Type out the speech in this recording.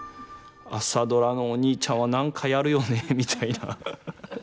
「朝ドラ」のお兄ちゃんは何かやるよねみたいな。